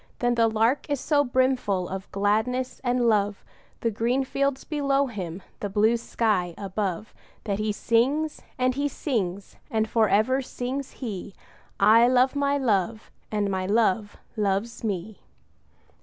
But the Lark is so brimful of gladness and love, The green fields below him, the blue sky above, That he sings, and he sings; and for ever sings he 'I love my Love, and my Love loves me!'